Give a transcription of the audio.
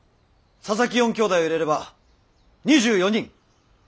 佐々木４兄弟を入れれば２４人。